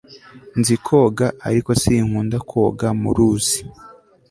nzi koga, ariko sinkunda koga muruzi